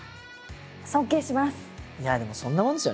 いやでもそんなもんですよ